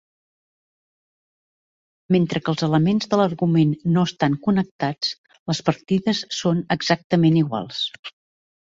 Mentre que els elements de l'argument no estan connectats, les partides són exactament iguals.